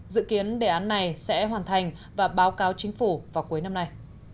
dự kiến đề án này sẽ hoàn thành và báo cáo chính phủ vào cuối năm nay